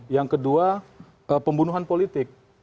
yang kedua pembunuhan politik